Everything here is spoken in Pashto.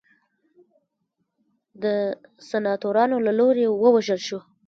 د سناتورانو له لوري ووژل شو.